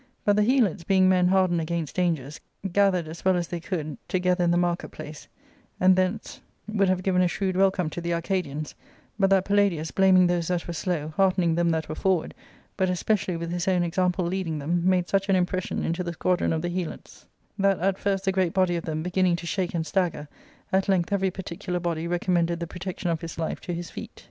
^ ^ut the Helots, being men hardened against dangers,' gathered, as well as they could, together in the market place, and thence would have given a shrewd welcome to the Arcadians, but that Palladius, blaming those that were slow, heartening them that were forward, but especially with his own example leading them, made such an impression into the squadron of the Helots, that at first the great body of them beginning to shake and stagger, at length every par ticular body recommended the protection of his life to his feet.